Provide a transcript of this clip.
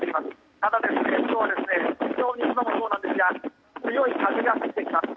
ただ、今日は昨日もそうなんですが強い風が吹いています。